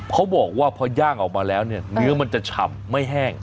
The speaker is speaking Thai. เขาบอกว่าพย่างออกมาแล้วเนี่ยเนื้อมันจะฉ่ำไม่แห้ง